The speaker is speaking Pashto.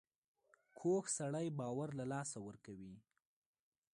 کوږ سړی باور له لاسه ورکوي